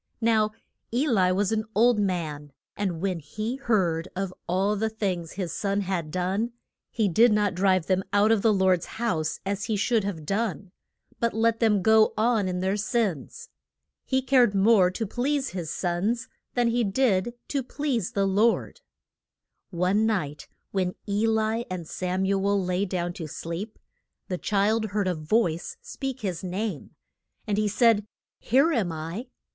Now E li was an old man, and when he heard of all the things his sons had done, he did not drive them out of the Lord's house as he should have done, but let them go on in their sins. He cared more to please his sons than he did to please the Lord. [Illustration: HAN NAH PRE SENTS SAM U EL TO E LI.] One night when E li and Sam u el lay down to sleep, the child heard a voice speak his name. And he said, Here am I.